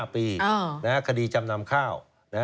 ๕ปีคดีจำนำข้าว